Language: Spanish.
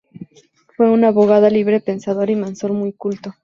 Fue un abogado librepensador y masón, muy culto.